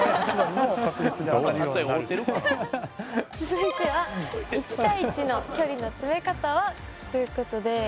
続いては１対１の距離の詰め方は？ということで。